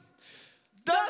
どうぞ！